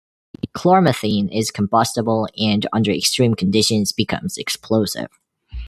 Chlormethine is combustible and under extreme conditions becomes explosive.